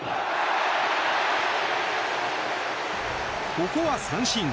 ここは三振。